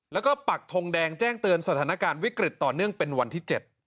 แล้วก็ปักทงแดงแจ้งเตือนสถานการณ์วิกฤตต่อเนื่องเป็นวันที่๗